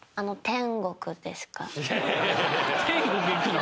・天国行くの！？